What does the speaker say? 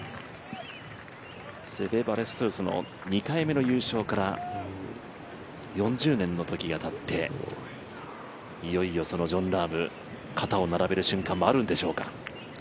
セベ・バレステロスの２回目の優勝から４０年の時がたっていよいよジョン・ラーム、肩を並べる瞬間もあるんでしょうか。